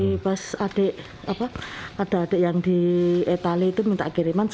dari pas adik apa ada adik yang di etale itu minta kiriman